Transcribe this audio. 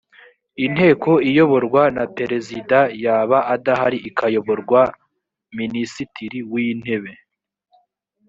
inteko iyoborwa na perezida yaba adahari ikayoborwa minisitiri w’ intebe